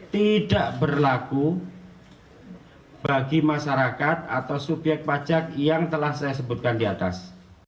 tidak berlaku bagi masyarakat atau subyek pajak yang telah saya sebutkan di atas